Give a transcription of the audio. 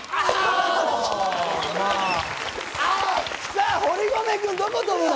さあ堀米君どこ跳ぶの？